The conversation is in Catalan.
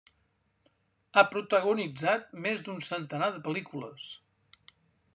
Ha protagonitzat més d'un centenar de pel·lícules.